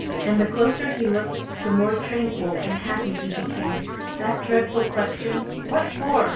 And the closer he looked the more tranquil and happy he became. That dreadful question, "What for?"